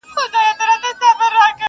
چي فکرونه د نفاق پالي په سر کي،